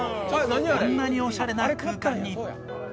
こんなにおしゃれな空間に。